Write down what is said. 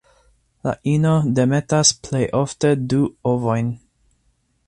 La ino demetas plej ofte du ovojn.